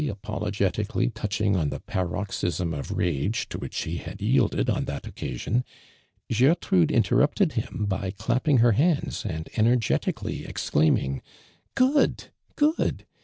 apologeti cally touching on the paroxysm of i age to which he had yielded on that occasion. Gertrude interrupted him by clapping her han<ls and energetically exiiaiming: " (food ! Gooil !